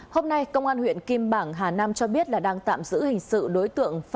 hôm nay công an huyện kim bảng hà nam cho biết là đang tạm giữ hình sự đối tượng